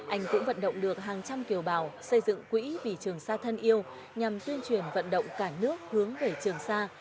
anh cũng vận động được hàng trăm kiều bào xây dựng quỹ vì trường sa thân yêu nhằm tuyên truyền vận động cả nước hướng về trường sa